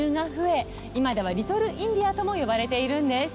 今ではリトルインディアとも呼ばれているんです。